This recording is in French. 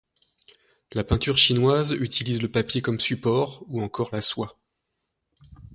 La peinture chinoise utilise le papier comme support, ou encore la soie.